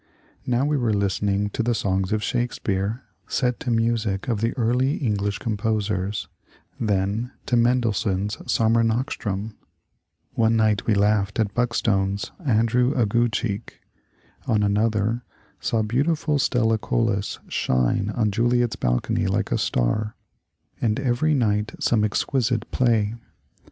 Now we were listening to the songs of Shakespeare set to music of the early English composers, then to Men delssohn's ^^Sommemachtstraum;" one night we laughed at Buckstone's Andrew Aguecheek, on another saw beautiful Stella Colas shine on Juliet's balcony like a star, and every PAGEANT AT STRATFORD 9 night some exquisite play.